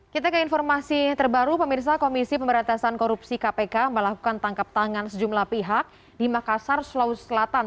kita ke informasi terbaru pemirsa komisi pemberantasan korupsi kpk melakukan tangkap tangan sejumlah pihak di makassar sulawesi selatan